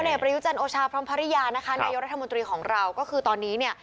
พ่อเนธประยุจันทร์โอชาพร้อมภรรยานายรัฐมนตรีของเราก็คือตอนนี้